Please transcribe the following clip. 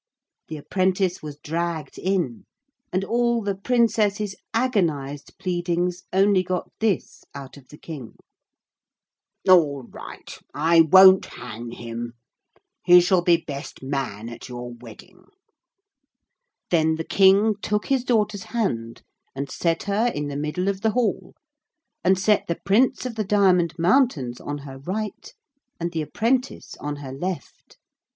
The apprentice was dragged in, and all the Princess's agonized pleadings only got this out of the King 'All right. I won't hang him. He shall be best man at your wedding.' Then the King took his daughter's hand and set her in the middle of the hall, and set the Prince of the Diamond Mountains on her right and the apprentice on her left.